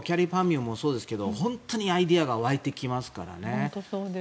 ゅもそうですけど本当にアイデアが湧いてきますからね。